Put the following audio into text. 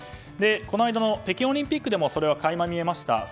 この間の北京オリンピックでも垣間見えました。